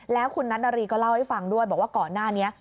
แล้วคุณนัทนารีก็เล่าให้ฟังด้วยบอกว่าก่อนหน้านี้